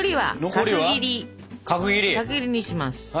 角切りにします。